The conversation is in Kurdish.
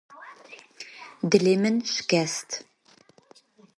Dilê min şikest.